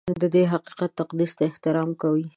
د دې حقیقت تقدس ته احترام کوي.